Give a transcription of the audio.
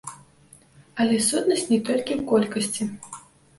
Але сутнасць не толькі ў колькасці.